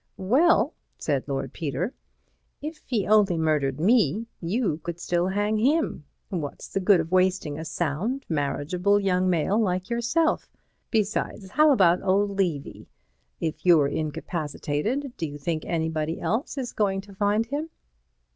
"Well," said Lord Peter, "if he only murdered me you could still hang him—what's the good of wasting a sound, marriageable young male like yourself? Besides, how about old Levy? If you're incapacitated, do you think anybody else is going to find him?"